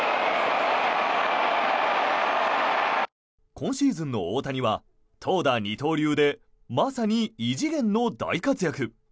今シーズンの大谷は投打二刀流でまさに異次元の大活躍。